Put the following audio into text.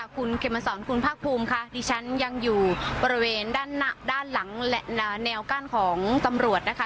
คุณเขมสอนคุณภาคภูมิค่ะดิฉันยังอยู่บริเวณด้านหน้าด้านหลังและแนวกั้นของตำรวจนะคะ